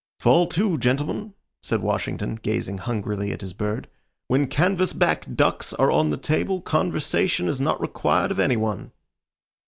"Fall to, gentlemen," said Washington, gazing hungrily at his bird. "When canvas back ducks are on the table conversation is not required of any one."